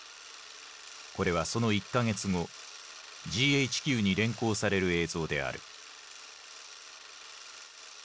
これはその１か月後ＧＨＱに連行される映像である。